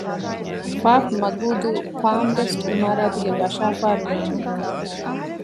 ފ. މަގޫދޫ ޕާމްރެސްޓް ޢިމާރާތުގެ ވަށާފާރު ރޭނުން